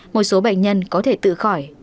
một số bệnh nhân có thể tự khỏi